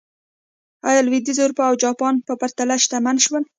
ایا لوېدیځه اروپا او جاپان په پرتله شتمن شول.